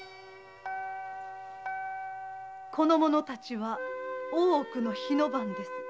この者たちは大奥の火の番です。